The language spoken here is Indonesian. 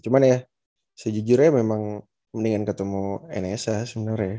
cuman ya sejujurnya memang mendingan ketemu enesa sebenernya